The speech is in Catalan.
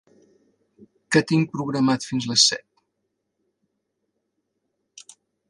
Què tinc programat fins les set?